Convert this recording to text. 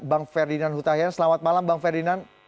bang ferdinand hutahian selamat malam bang ferdinand